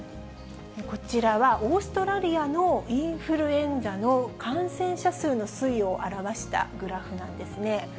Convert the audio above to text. こちらはオーストラリアのインフルエンザの感染者数の推移を表したグラフなんですね。